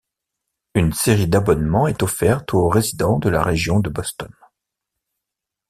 Une série d'abonnement est offerte aux résidents de la région de Boston.